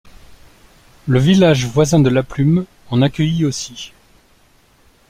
Le village voisin de Laplume en accueillit aussi.